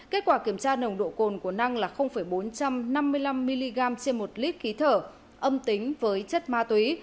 kết quả kiểm tra nồng độ cồn của năng là bốn trăm năm mươi năm mg trên một lít khí thở âm tính với chất ma túy